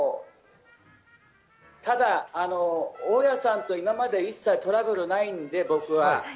ただ、大家さんと今まで一切トラブルないので、僕は。